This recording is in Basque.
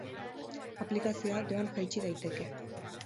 Aplikazioa doan jaitsi daiteke.